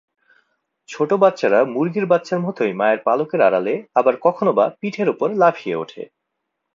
ছোট বাচ্চারা মুরগির বাচ্চার মতই মায়ের পালকের আড়ালে, আবার কখনোবা পিঠের উপর লাফিয়ে ওঠে।